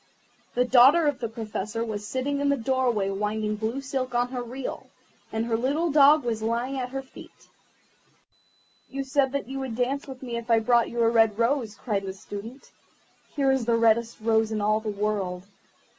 The daughter of the Professor was sitting in the doorway winding blue silk on a reel, and her little dog was lying at her feet. "You said that you would dance with me if I brought you a red rose," cried the Student. "Here is the reddest rose in all the world.